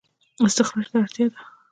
استخراج ته اړتیا ده